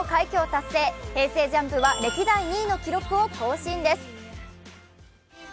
ＪＵＭＰは歴代２位の記録を更新です。